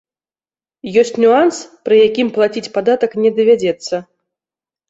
Ёсць нюанс, пры якім плаціць падатак не давядзецца.